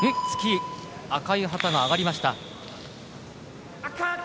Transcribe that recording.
突き、赤い旗が上がりました。